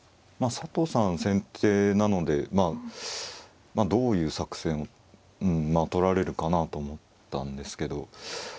まあ佐藤さん先手なのでどういう作戦を取られるかなと思ったんですけど。